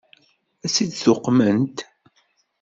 Ad tt-id-tuqmemt?